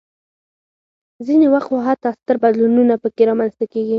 ځینې وخت خو حتی ستر بدلونونه پکې رامنځته کېږي.